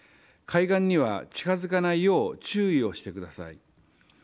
海岸には近づかないよう注意をしてください。